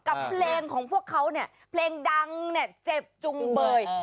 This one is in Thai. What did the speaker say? กับเพลงของพวกเขาเนี่ยเพลงดังเนี่ยเจ็บจุงเบย